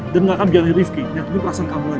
dan gak akan biarkan rizky nyatuin perasaan kamu lagi